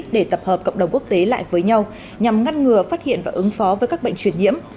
để tập hợp cộng đồng quốc tế lại với nhau nhằm ngăn ngừa phát hiện và ứng phó với các bệnh truyền nhiễm